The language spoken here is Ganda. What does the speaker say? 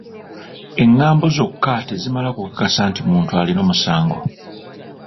Engambo zokka tezimala kukakasa nti muntu alina omusango.